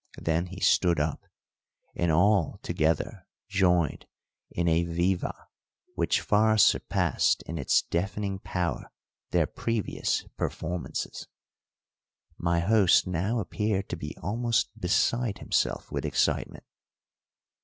Then he stood up, and all together joined in a viva, which far surpassed in its deafening power their previous performances. My host now appeared to be almost beside himself with excitement.